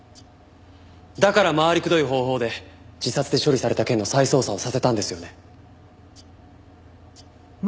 だから回りくどい方法で自殺で処理された件の再捜査をさせたんですよね？